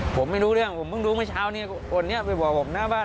ผมไม่รู้เรื่องผมเคยรู้เมื่อเช้าประมาณ๕๕๒ของคนเนี่ยว่าครอบหน้าบ้าน